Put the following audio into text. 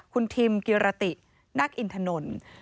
คุณทิมกิรตินักอินถนน